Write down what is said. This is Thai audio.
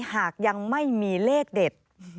หากยังไม่มีเลขเด็ด